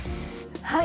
はい。